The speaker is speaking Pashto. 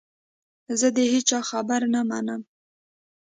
زه د هیچا خبره نه منم .